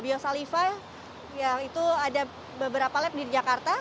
di biosalify ada beberapa lab di jakarta